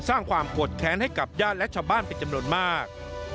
สร้างความโกรธแค้นให้กับญาติและชาวบ้านเป็นจำนวนมาก